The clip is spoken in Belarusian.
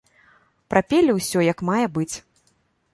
Прапелі ўсё як мае быць.